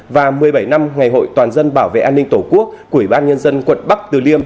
và một mươi bảy năm ngày hội toàn dân bảo vệ an ninh tổ quốc của ủy ban nhân dân quận bắc từ liêm